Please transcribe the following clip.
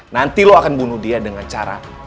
nanti lo akan bunuh dia dengan cara